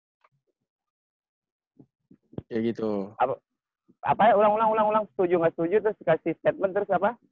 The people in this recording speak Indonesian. apa ya ulang ulang setuju gak setuju terus kasih statement terus apa